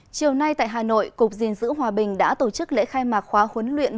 chiều nay tại hà nội cục gìn giữ hòa bình đã tổ chức lễ khai mạc khóa huấn luyện